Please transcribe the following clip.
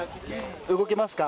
動けますか？